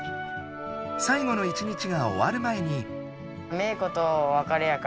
最後の１日が終わる前に。